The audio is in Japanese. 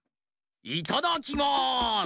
いただきます！